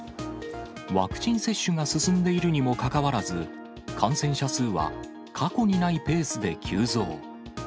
ワクチン接種が進んでいるにもかかわらず、感染者数は過去にないペースで急増。